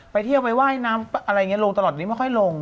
ไปเที่ยวไปว่ายน้ำอะไรอย่างนี้ลงตลอดนี้ไม่ค่อยลง